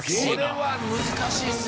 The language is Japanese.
これは難しいですね。